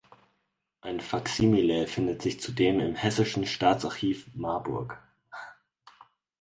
Ein Faksimile findet sich zudem im Hessischen Staatsarchiv Marburg.